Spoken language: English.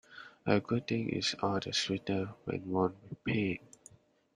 A good thing is all the sweeter when won with pain.